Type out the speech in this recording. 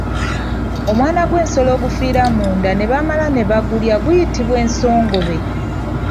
Omwana gw’ensolo ogufiira munda ne bamala ne bagulya guyitibwa ensongobe.